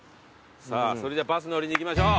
さあそれではバス乗りに行きましょう。